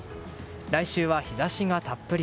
来週は日差しがたっぷり。